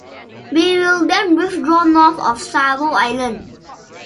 We will then withdraw north of Savo Island.